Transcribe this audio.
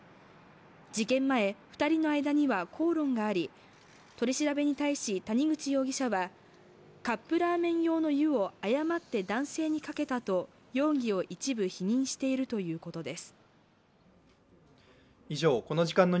事件前、２人の間には口論があり取り調べに対し谷口容疑者は、カップラーメン用の湯を誤って男性にかけたと容疑を一部否認しているということです。